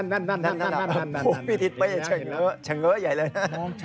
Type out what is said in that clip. นั่นพี่ติ๊ปเป้ฉังเงาะฉังเงาะใหญ่เลยนะฮะ